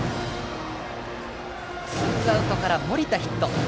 ツーアウトから森田がヒット。